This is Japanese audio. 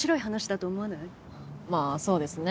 まあそうですね。